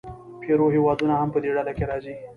پیرو هېوادونه هم په دې ډله کې راځي.